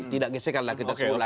tidak gesekanlah kita semua